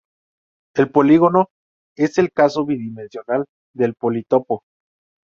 El polígono es el caso bidimensional del politopo.